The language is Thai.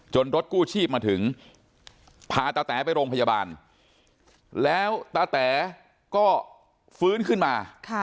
รถกู้ชีพมาถึงพาตาแต๋ไปโรงพยาบาลแล้วตาแต๋ก็ฟื้นขึ้นมา